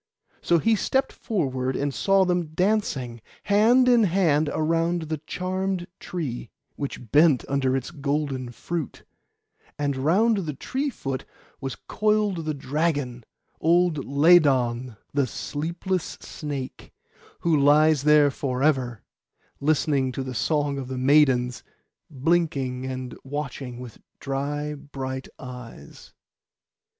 So he stepped forward and saw them dancing, hand in hand around the charmed tree, which bent under its golden fruit; and round the tree foot was coiled the dragon, old Ladon the sleepless snake, who lies there for ever, listening to the song of the maidens, blinking and watching with dry bright eyes.